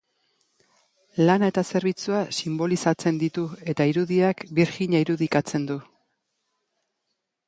Lana eta zerbitzua sinbolizatzen ditu eta irudiak birjina irudikatzen du.